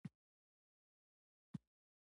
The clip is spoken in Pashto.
موږ داسې څېړنې نه لرو چې له ایدیالوژۍ پاکې وي.